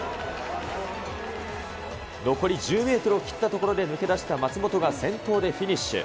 残り１０メートルを切ったところで抜け出した松元が先頭でフィニッシュ。